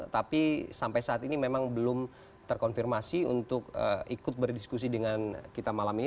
tapi sampai saat ini memang belum terkonfirmasi untuk ikut berdiskusi dengan kita malam ini